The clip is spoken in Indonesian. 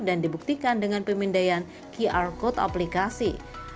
dan dibuktikan dengan pemindaian qr code aplikasi